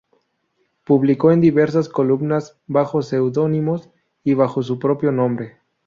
Publicó en diversas columnas bajo seudónimos y bajo su propio nombre.